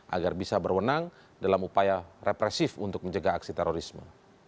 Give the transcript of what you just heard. agar bisa berwenang dalam upaya represif untuk menjaga aksi terorisme